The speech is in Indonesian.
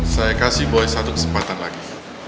saya kasih boy satu kesempatan lagi